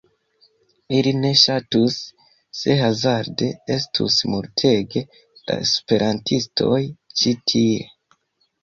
Ili ne ŝatus se hazarde estus multege da esperantistoj ĉi tie.